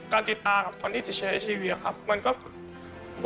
การติดตากับคนที่ติดเชื้อชีวิตครับ